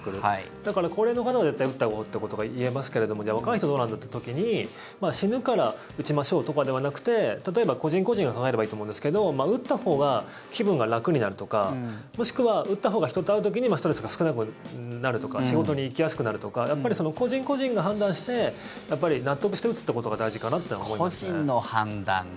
だから、高齢の方は絶対打ったほうがってことが言えますけどもじゃあ若い人どうなんだって時に死ぬから打ちましょうとかではなくて例えば、個人個人が考えればいいと思うんですけど打ったほうが気分が楽になるとかもしくは打ったほうが人と会う時にストレスが少なくなるとか仕事に行きやすくなるとかやっぱり個人個人が判断して納得して打つってことが大事かなって思いますね。